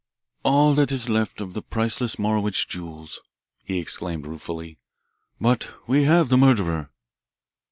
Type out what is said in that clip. "All that is left of the priceless Morowitch jewels," he exclaimed ruefully. "But we have the murderer."